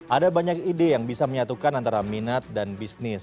ada banyak ide yang bisa menyatukan antara minat dan bisnis